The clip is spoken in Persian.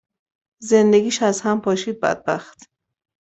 زندگیش از هم پاشید بدبخت.